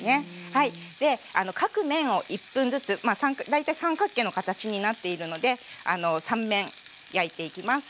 はいで各面を１分ずつまあ大体三角形の形になっているので３面焼いていきます。